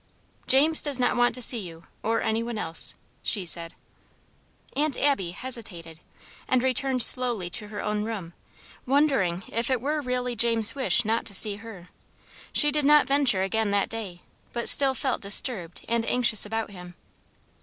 "James does not want to see you, or any one else," she said. Aunt Abby hesitated, and returned slowly to her own room; wondering if it were really James' wish not to see her. She did not venture again that day, but still felt disturbed and anxious about him.